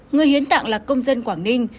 người hiến tạng là công dân quảng ninh